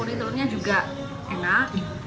kulit telurnya juga enak